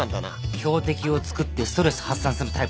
標的をつくってストレス発散するタイプ。